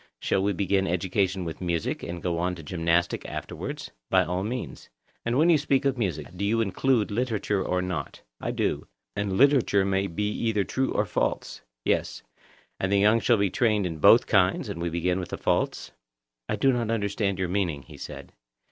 Shall we begin education with music, and go on to gymnastic afterwards? By all means. And when you speak of music, do you include literature or not? I do. And literature may be either true or false? Yes. And the young should be trained in both kinds, and we begin with the false? I do not understand your meaning, he said.